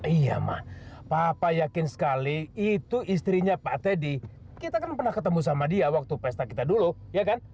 iya mah papa yakin sekali itu istrinya pak teddy kita kan pernah ketemu sama dia waktu pesta kita dulu ya kan